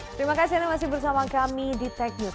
terima kasih anda masih bersama kami di tech news